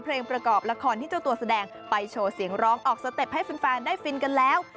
เพลงประกอบละครที่เจ้าตัวแสดงไปโชว์เสียงร้องออกสเต็ปให้แฟนได้ฟินกันแล้ว